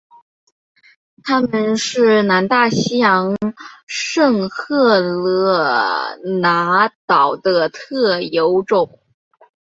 它们是南大西洋圣赫勒拿岛的特有种。